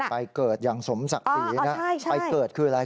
ไปเกิดอย่างสมศักดิ์ศรีนะไปเกิดคืออะไร